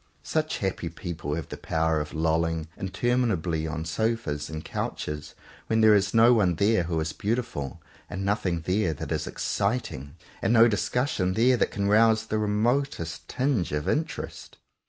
Such happy people have the power of lolling interminably on sofas and couches when there is no one there who is beautiful, and nothing there that is exciting, and no discussion there that can rouse the remotest tinge of interest.